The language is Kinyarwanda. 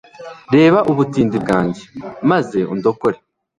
reba ubutindi bwanjye, maze undokore